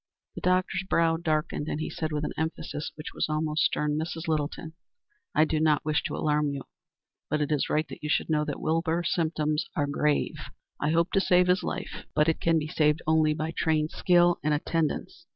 The doctor's brow darkened, and he said with an emphasis which was almost stern: "Mrs. Littleton, I do not wish to alarm you, but it is right that you should know that Wilbur's symptoms are grave. I hope to save his life, but it can be saved only by trained skill and attendance.